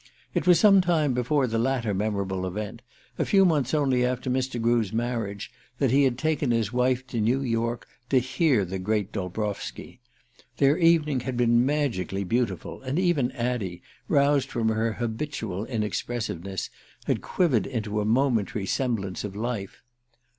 It was some time before the latter memorable event, a few months only after Mr. Grew's marriage, that he had taken his wife to New York to hear the great Dolbrowski. Their evening had been magically beautiful, and even Addie, roused from her habitual inexpressiveness, had quivered into a momentary semblance of life.